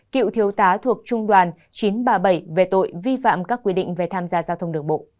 cựu thiếu tá thuộc trung đoàn chín trăm ba mươi bảy về tội vi phạm các quy định về tham gia giao thông đường bộ